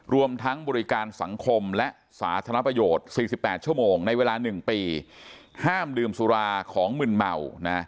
รวมทั้งบริการสังคมและสาธารณประโยชน์๔๘ชั่วโมงในเวลา๑ปีห้ามดื่มสุราของมึนเมานะ